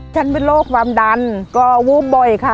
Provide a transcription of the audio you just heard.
เป็นโรคความดันก็วูบบ่อยค่ะ